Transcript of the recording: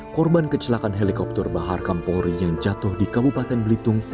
korban kecelakaan helikopter bahar kampolri yang jatuh di kabupaten belitung